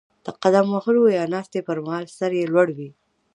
د قدم وهلو یا ناستې پر مهال سر یې لوړ وي.